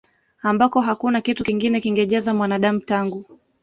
ambako hakuna kitu kingine kingejaza Mwanadamu tangu